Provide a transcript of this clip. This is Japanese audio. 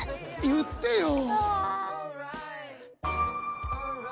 言ってよ。